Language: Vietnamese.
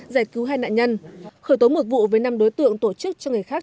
giải cứu hai nạn nhân khởi tố một vụ với năm đối tượng tổ chức cho người khác